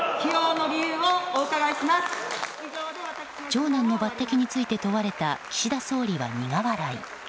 長男の抜擢について問われた岸田総理は苦笑い。